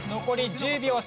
残り１０秒。